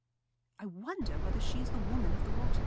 "I wonder whether she is the Woman of the Water!"